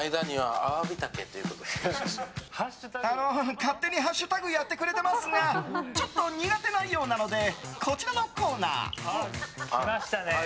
勝手にハッシュタグやってくれていますがちょっと苦手なようなのでこちらのコーナー！来ましたね